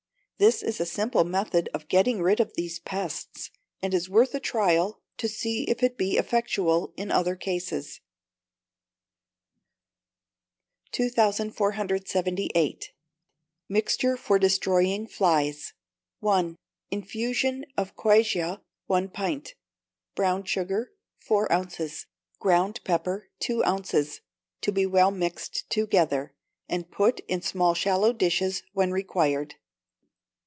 This is a simple method of getting rid of these pests, and is worth a trial to see if it be effectual in other cases. 2478. Mixture for Destroying Flies (1). Infusion of quassia, one pint; brown sugar, four ounces; ground pepper, two ounces. To be well mixed together, and put in small shallow dishes when required.